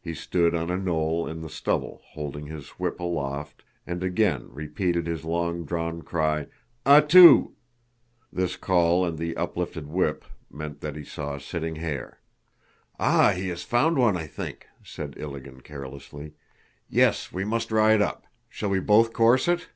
He stood on a knoll in the stubble, holding his whip aloft, and again repeated his long drawn cry, "A tu!" (This call and the uplifted whip meant that he saw a sitting hare.) "Ah, he has found one, I think," said Ilágin carelessly. "Yes, we must ride up.... Shall we both course it?"